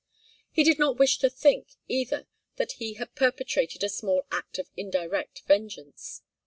He did not wish to think, either, that he had perpetrated a small act of indirect vengeance.